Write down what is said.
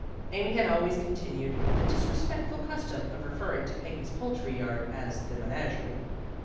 Amy had always continued the disrespectful custom of referring to Peggy's poultry yard as the menagerie.